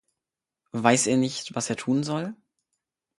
Weiß er nicht, was er tun soll?